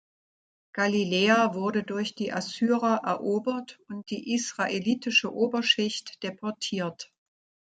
Galiläa wurde durch die Assyrer erobert und die israelitische Oberschicht deportiert.